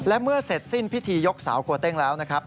และเมื่อเสร็จสิ้นพิธียกเสาโกเต้งแล้วนะครับ